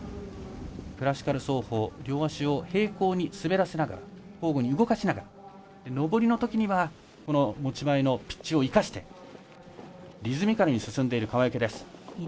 クラシカル走法両足を平行に滑らせながら交互に動かしながら上りのときには持ち前のピッチを生かしてリズミカルに進んでいく川除です。